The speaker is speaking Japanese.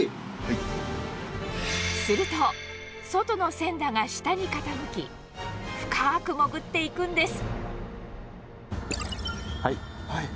すると、外の潜だが下に傾き、深く潜っていくんです。